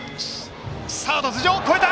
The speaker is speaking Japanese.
サードの頭上を越えた。